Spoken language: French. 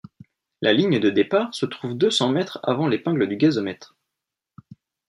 La ligne de départ se trouve deux cents mètres avant l'épingle du gazomètre.